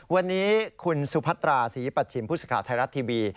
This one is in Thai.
วันนี้คุณสุพัตราศรีปัจฉิมพุทธศิษฐาไทยรัฐทีวี